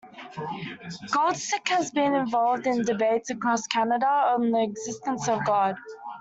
Goldstick has been involved in debates across Canada on the existence of God.